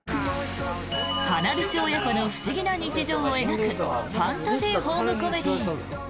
花火師親子の不思議な日常を描くファンタジーホームコメディー。